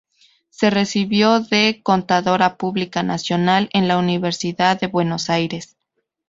Se recibió de Contadora Pública Nacional en la Universidad de Buenos Aires.